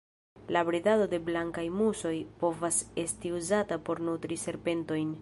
La bredado de blankaj musoj povas esti uzata por nutri serpentojn.